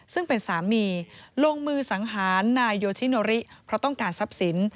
ซึ่งเป็นสามีลงมือสังหารนายโยชิโนริเพราะต้องการทรัพย์สิน